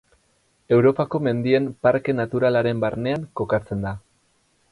Europako Mendien Parke Naturalaren barnean kokatzen da.